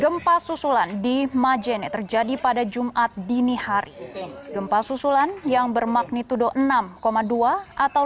gempa susulan di majene terjadi pada jumat dini hari gempa susulan yang bermagnitudo enam dua atau